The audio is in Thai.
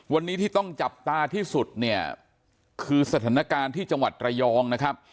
วันนี้ที่ต้องจับตาที่สุดเนี่ยคือสถานการณ์ที่จังหวัดระยองนะครับ